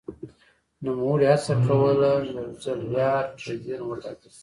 نوموړي هڅه کوله یو ځل بیا ټربیون وټاکل شي